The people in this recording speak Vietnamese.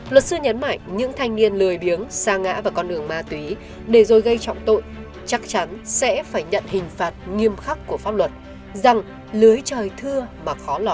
luật sư nhấn mạnh những thanh niên lời điếng xa ngã vào con đường ma túy để rồi gây trọng tội chắc chắn sẽ phải nhận hình phạt nghiêm khắc của pháp luật rằng lưới trời thưa mà khó lọt